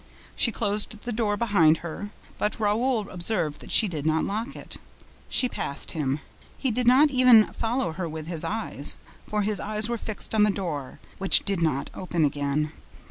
She closed the door behind her, but Raoul observed that she did not lock it. She passed him. He did not even follow her with his eyes, for his eyes were fixed on the door, which did not open again.